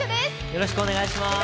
よろしくお願いします